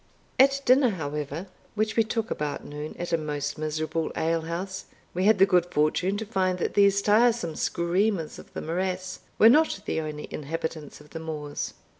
At dinner, however, which we took about noon, at a most miserable alehouse, we had the good fortune to find that these tiresome screamers of the morass were not the only inhabitants of the moors.